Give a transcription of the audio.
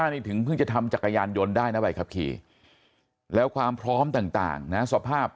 นี่ถึงเพิ่งจะทำจักรยานยนต์ได้นะใบขับขี่แล้วความพร้อมต่างนะสภาพ